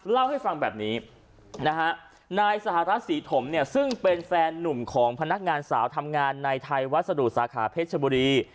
เล่าให้ฟังแบบนี้นะฮะนายสหรัฐศรีถมเนี่ยซึ่งเป็นแฟนนุ่มของพนักงานสาวทำงานในไทยวัสดุสาขาเพชรชบุรี